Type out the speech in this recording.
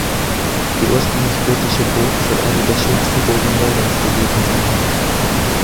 Die ursprünglich gotische Burg soll eine der schönsten Burgen Mährens gewesen sein.